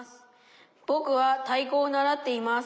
「ぼくは太鼓を習っています。